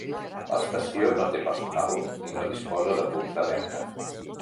L'estació no té personal i no disposa de punts de venda.